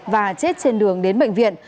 và chết trên đường đến bệnh viện